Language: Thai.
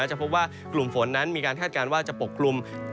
จะพบว่ากลุ่มฝนนั้นมีการคาดการณ์ว่าจะปกคลุม